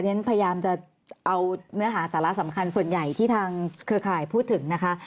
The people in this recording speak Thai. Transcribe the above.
ฉันพยายามจะเอาเนื้อหาสาระสำคัญส่วนใหญ่ที่ทางเครือข่ายพูดถึงนะคะ